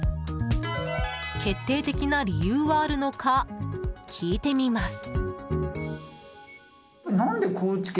決定的な理由はあるのか聞いてみます。